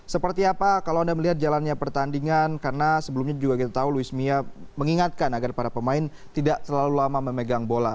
seperti apa kalau anda melihat jalannya pertandingan karena sebelumnya juga kita tahu luis mia mengingatkan agar para pemain tidak terlalu lama memegang bola